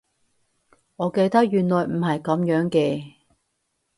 我記得原來唔係噉樣嘅